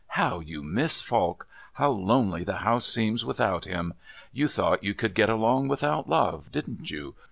"How you miss Falk! How lonely the house seems without him! You thought you could get along without love, didn't you?